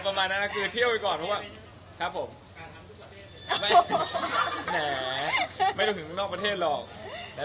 สมมุติไปแบบ